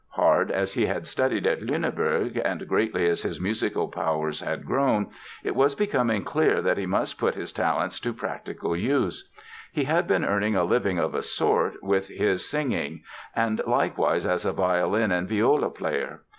Hard as he had studied at Lüneburg and greatly as his musical powers had grown, it was becoming clear that he must put his talents to practical use. He had been earning a living of a sort with his singing and likewise as a violin and viola player.